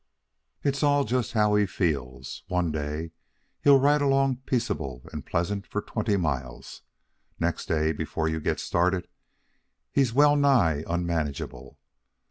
It's all just how he feels One day he'll ride along peaceable and pleasant for twenty miles. Next day, before you get started, he's well nigh unmanageable.